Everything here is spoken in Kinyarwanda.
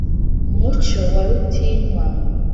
Mucyo wa Rutinywa,